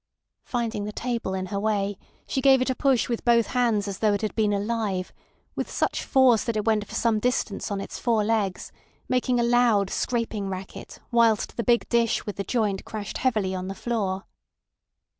Finding the table in her way she gave it a push with both hands as though it had been alive, with such force that it went for some distance on its four legs, making a loud, scraping racket, whilst the big dish with the joint crashed heavily on the floor.